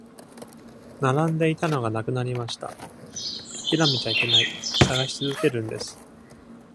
並んでいたのがなくなりました…あきらめちゃいけない。探し続けるんです